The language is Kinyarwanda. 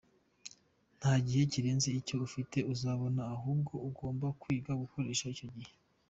Nta gihe kirenze icyo ufite uzabona ahubwo ugomba kwiga gukoresha icyo ufite.